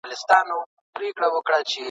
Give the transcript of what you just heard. رود یوازي هغه وخت په دې پوهیږي ..